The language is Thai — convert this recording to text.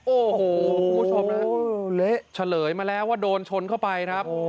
โอ้โหคุณผู้ชมนะเละเฉลยมาแล้วว่าโดนชนเข้าไปครับ